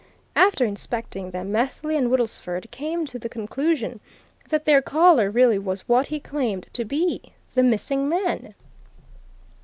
After inspecting them, Methley and Woodlesford came to the conclusion that their caller really was what he claimed to be the missing man!"